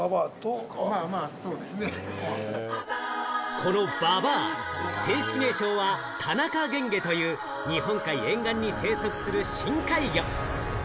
この、ばばあ、正式名称はタナカゲンゲという日本海沿岸に生息する深海魚。